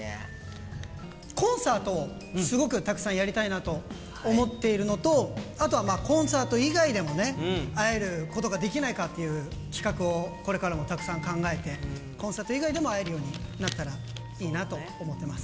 コンサートをすごくたくさんやりたいなと思っているのと、あとはコンサート以外でもね、会えることができないかっていう企画をこれからもたくさん考えて、コンサート以外でも会えるようになったらいいなと思ってます。